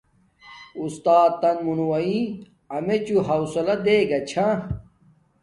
اُستاتن مونووݵ امیچوں حوصلہ دین گا چھا